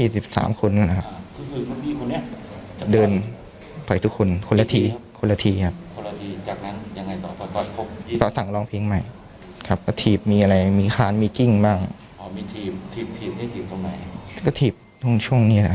ทีมทีมที่ถีบตรงไหนก็ถีบตรงช่วงนี้แหละครับช่วงท้องนี่นะฮะ